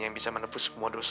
aku mencintai udang